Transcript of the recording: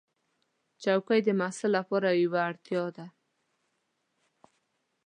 چوکۍ د محصل لپاره یوه اړتیا ده.